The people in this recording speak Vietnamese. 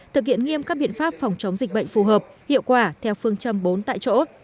thực hiện nghiêm các biện pháp phòng chống dịch bệnh phù hợp hiệu quả theo phương châm bốn tại chỗ